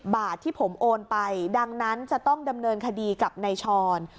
บาทที่ผมโอนไปดังนั้นจะต้องดำเนินคดีกับนายชร